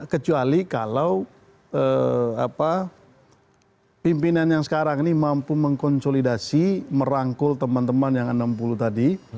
kecuali kalau pimpinan yang sekarang ini mampu mengkonsolidasi merangkul teman teman yang enam puluh tadi